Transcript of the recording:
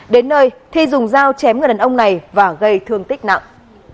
đến nơi thi dùng dao chém người đàn ông này và gây thương tích nặng